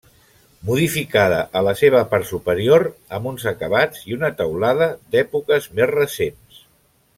Modificada a la seva part superior amb uns acabats i una teulada d'èpoques més recents.